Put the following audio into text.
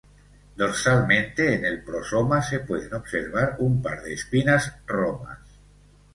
Dorsalmente en el prosoma, se pueden observar un par de espinas romas.